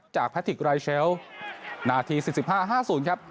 จากพลาติกรายเชลล์นาทีสิบห้าห้าศูนย์ครับ